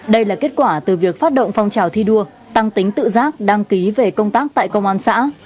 đây là kết quả từ việc phát động phong trào thi đua tăng tính tự giác đăng ký về công tác tại công an xã